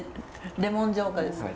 レモン浄化です！